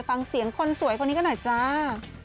พังเสียงคนสวยพอนี้ก็น่ะจ้า